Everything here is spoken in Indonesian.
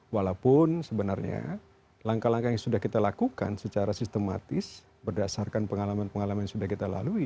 walaupun sebenarnya langkah langkah yang sudah kita lakukan secara sistematis berdasarkan pengalaman pengalaman yang sudah kita lalui